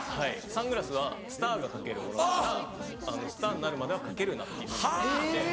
サングラスはスターが掛けるものだからスターになるまでは掛けるなっていうふうに言われてて。